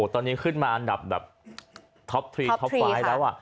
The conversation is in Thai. ตอนนี้ขึ้นมาอันดับท็อป๓แล้ว